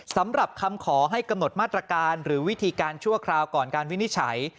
สำหรับคำขอให้กำหนดมาตรการหรือวิธีการชั่วคราวก่อนการวินิจฉัย